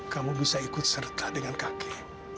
kamu bisa ikut serta dengan kakek